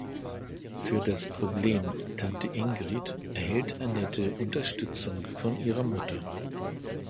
Für das Problem Tante Ingrid erhält Annette Unterstützung von ihrer Mutter.